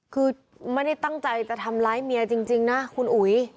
คือไม่ได้ตั้งใจจะทำร้ายเมียจริงนะคุณอุ๋ย